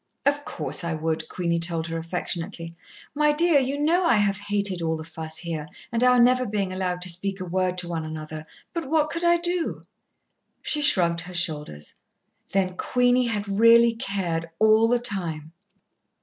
"Of course, I would," Queenie told her affectionately. "My dear, you know I have hated all the fuss here, and our never being allowed to speak a word to one another. But what could I do?" She shrugged her shoulders. Then Queenie had really cared all the time!